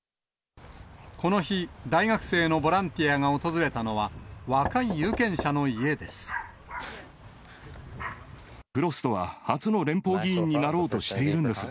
この日、大学生のボランティアが訪れたのは、フロストは、初の連邦議員になろうとしているんです。